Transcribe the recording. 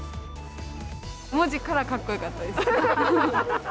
文字からかっこよかったです。